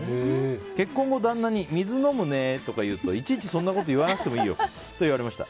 結婚後、旦那に水飲むねとか言うといちいちそんなこと言わなくてもいいよと言われました。